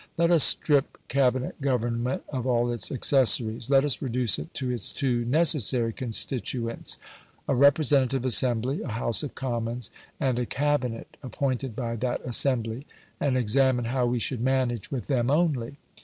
Let us strip Cabinet government of all its accessories, let us reduce it to its two necessary constituents a representative assembly (a House of Commons) and a Cabinet appointed by that assembly and examine how we should manage with them only.